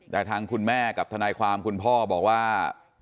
แต่ทางคุณแม่กับทนายความคุณพ่อบอกว่า